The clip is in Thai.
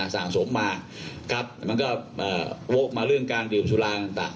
สร้างสมมาครับมันก็เอ่อโว๊ะมาเรื่องการดื่มสุรางนะครับ